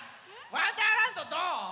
「わんだーらんど」どう？